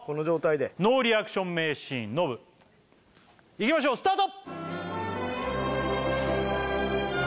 ノーリアクション名シーンノブいきましょうスタート！